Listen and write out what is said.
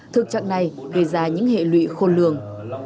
thực trạng này gây ra những hệ lụy khôn lường